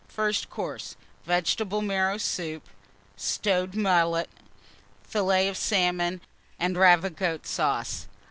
FIRST COURSE. Vegetable Marrow Soup. Stowed Mullet. Fillets of Salmon and Ravigotte Sauce.